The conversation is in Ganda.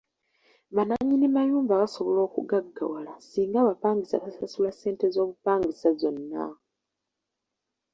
Bannannyini mayumba basobola okugaggawala singa abapangisa basasula ssente z'obupangisa zonna.